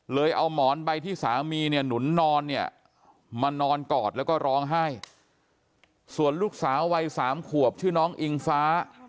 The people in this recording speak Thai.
เอาหมอนใบที่สามีเนี่ยหนุนนอนเนี่ยมานอนกอดแล้วก็ร้องไห้ส่วนลูกสาววัยสามขวบชื่อน้องอิงฟ้า